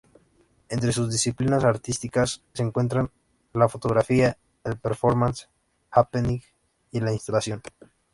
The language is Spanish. Entre sus disciplinas artísticas se encuentran la fotografía, el performance, happening y la instalación.